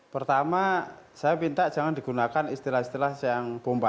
pertama saya minta jangan digunakan istilah istilah yang bomba